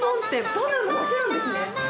バナナだけなんですね。